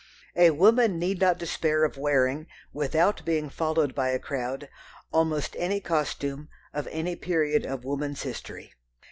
A woman need not despair of wearing, without being followed by a crowd, almost any costume of any period of woman's history.